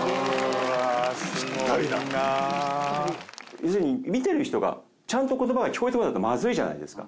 要するに見てる人がちゃんと言葉が聞こえてこないとまずいじゃないですか。